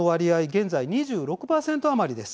現在２６％余りです。